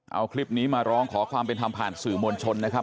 เอาคลิปนี้มาร้องขอความเป็นธรรมผ่านสื่อมวลชนนะครับ